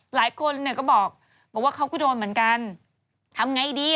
หลายคนเนี่ยก็บอกว่าเขาก็โดนเหมือนกันทำไงดี